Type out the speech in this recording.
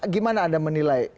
gimana anda menilai